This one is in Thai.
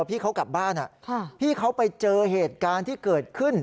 พี่เขากลับบ้านพี่เขาไปเจอเหตุการณ์ที่เกิดขึ้น